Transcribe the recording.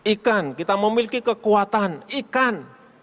ikan kita memiliki kekuatan ikan